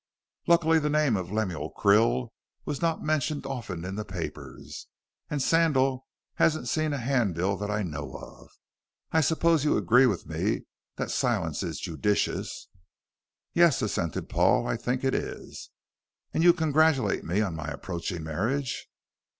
Luckily the name of Lemuel Krill was not mentioned often in the papers, and Sandal hasn't seen a hand bill that I know of. I suppose you agree with me that silence is judicious?" "Yes," assented Paul, "I think it is." "And you congratulate me on my approaching marriage?"